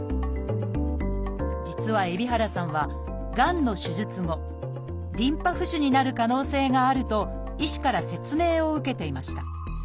実は海老原さんはがんの手術後リンパ浮腫になる可能性があると医師から説明を受けていました。